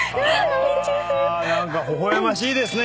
あ何か微笑ましいですね。